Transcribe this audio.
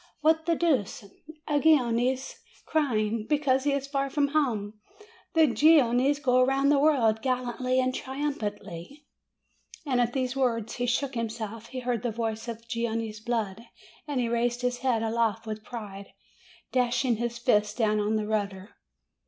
What the deuce! A Genoese crying 268 MAY because he is far from home ! The Genoese go round the world, gallantly and triumphantly !" And at these words he shook himself, he heard the voice of the Genoese blood, and he raised his head aloft with pride, dashing his fists down on the rudder.